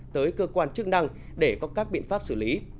tới cơ quan chức năng để có các biện pháp xử lý